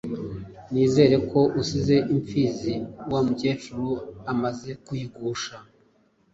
Nizere ko usize imfizi wa Mukecuru amaze kuyigusha.